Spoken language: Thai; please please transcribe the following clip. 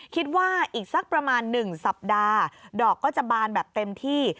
คิดว่าอีกสักประมาณ๑สัปดาห์ดอกก็จะบานแบบเต็มที่